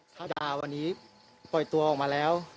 ถ้าด่าวันนี้ปล่อยตัวออกมาแล้ว